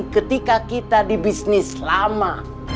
ketika kita di bisnis lama